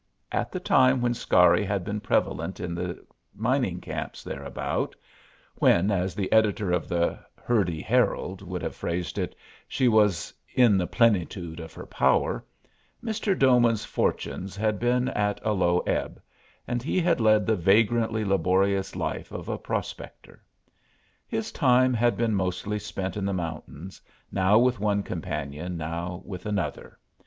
At the time when Scarry had been prevalent in the mining camps thereabout when, as the editor of the Hurdy Herald would have phrased it, she was "in the plenitude of her power" Mr. Doman's fortunes had been at a low ebb, and he had led the vagrantly laborious life of a prospector. His time had been mostly spent in the mountains, now with one companion, now with another.